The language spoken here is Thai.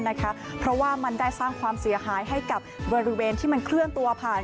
เพราะว่ามันได้สร้างความเสียหายให้กับบริเวณที่มันเคลื่อนตัวผ่าน